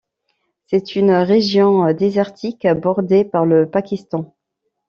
C'est une région désertique bordée par le Pakistan.